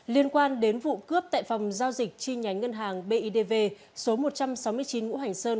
liên quan đến vụ cướp tại phòng giao dịch chi nhánh ngân hàng bidv số một trăm sáu mươi chín ngũ hành sơn